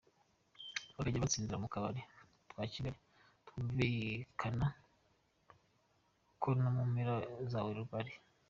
bakajya basindira mu tubari twa Kigali twumvikana ko mu mpera za Werurwe ari.